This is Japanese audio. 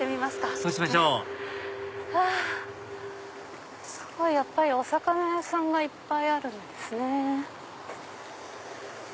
そうしましょうやっぱりお魚屋さんがいっぱいあるんですね。